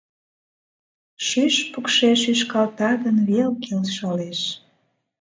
Шӱшпыкшӧ шӱшкалта гын вел, келшалеш.